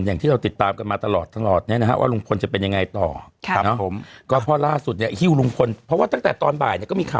อย่างที่เราติดตามกันมาตลอดเนี่ยนะฮะ